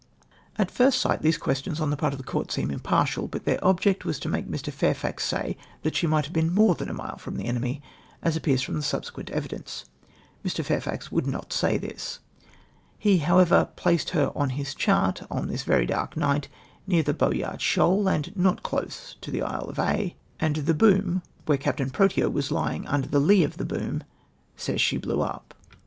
At first sight, these questions on the part of the Court seem impartial, but their object was to make Mr. Fairfax say that she might have been more than a mile from the enemy, as appears from the subsequent evidence. Mr. FairJB.xx would not say this. He, how so HIS LICTTEIJ TO THE NAVAL CHKOXlCLi:. ever, placed lier on liis chart on this ''very dark'" night near the Boyart .'^hoal, and not close to the lie of Aiv and the hooin, wliere Captain Protean, who was lying imder the lee of the boom, says she blew np.